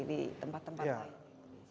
di tempat tempat lain